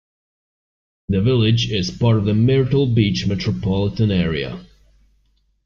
The village is part of the Myrtle Beach metropolitan area.